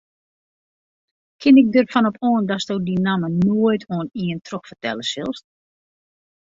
Kin ik derfan op oan datst dy namme noait oan ien trochfertelle silst?